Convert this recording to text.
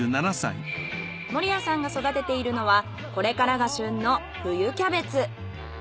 森谷さんが育てているのはこれからが旬の冬キャベツ。